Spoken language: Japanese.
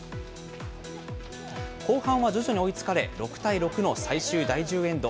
後半は徐々に追いつかれ、６対６の最終第１０エンド。